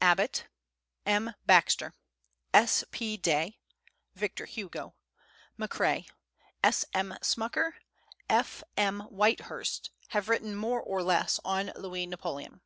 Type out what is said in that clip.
Abbott, M. Baxter, S.P. Day, Victor Hugo, Macrae, S.M. Smucker, F.M. Whitehurst, have written more or less on Louis Napoleon.